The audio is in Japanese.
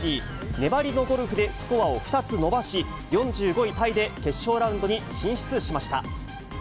粘りのゴルフで２つスコアを伸ばし、４５位タイで決勝ラウンドに進出しました。